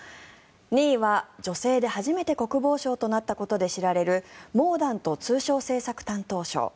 ２位は女性で初めて国防相となったことで知られるモーダント通商政策担当相。